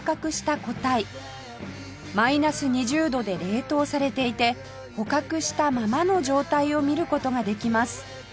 マイナス２０度で冷凍されていて捕獲したままの状態を見る事ができます